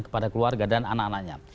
kepada keluarga dan anak anaknya